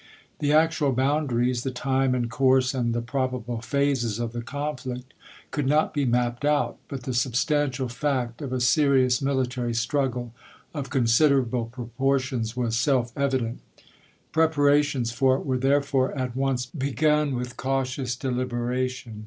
The actual boundaries, the time and course and the probable phases of the conflict, could not be mapped out ; but the substantial fact of a serious military struggle of considerable proportions was self evident. Preparations for it were therefore at once begun, with cautious deliberation.